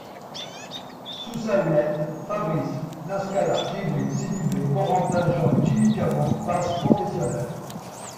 Sous sa houlette, Fabrice Nsakala, Djibril Sidibé, Corentin Jean et Jimmy Cabot passent professionnels.